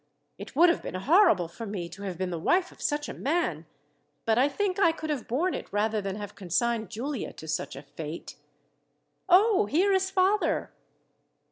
It would have been horrible for me to have been the wife of such a man; but I think I could have borne it rather than have consigned Giulia to such a fate. "Oh, here is father!"